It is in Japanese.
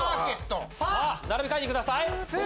並び替えてください